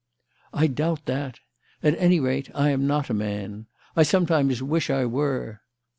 "I doubt that. At any rate, I am not a man. I sometimes wish I were."